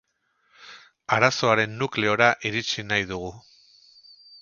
Arazoaren nukleora iritsi nahi dugu.